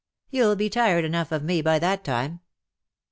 You'll be tired enough of me by that time.'